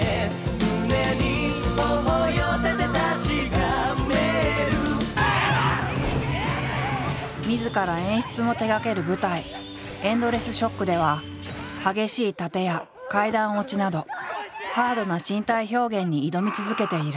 「胸に頬寄せて確かめる」みずから演出も手がける舞台「ＥｎｄｌｅｓｓＳＨＯＣＫ」では激しい殺陣や階段落ちなどハードな身体表現に挑み続けている。